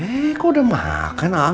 eh kok udah makan ang